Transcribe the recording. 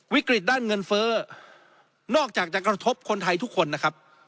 วิกฤตด้านเงินเฟ้อนอกจากจะกระทบคนไทยทุกคนนะครับ